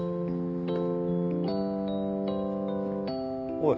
おい。